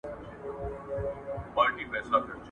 قناعت انسان تر هر چا غني کوي.